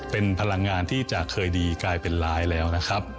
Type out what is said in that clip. เป็นพลังงานที่จะเคยดีกลายเป็นร้ายแล้วนะครับ